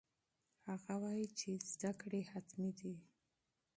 هغه وایي چې تعلیم حتمي دی.